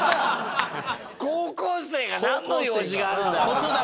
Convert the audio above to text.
高校生がなんの用事があるんだよ！